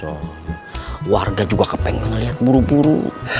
orang juga ingin melihatnya segera